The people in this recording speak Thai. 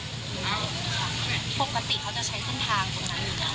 ปกติเขาจะใช้ทางตรงนั้น